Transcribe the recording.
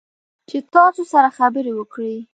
چې تاسو سره خبرې وکړي